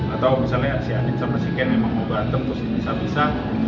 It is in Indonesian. atau misalnya si adik sama si ken memang mau berantem terus bisa bisa